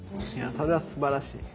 それはすばらしい。